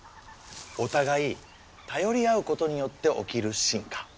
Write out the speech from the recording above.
お互い頼り合うことによって起きる進化。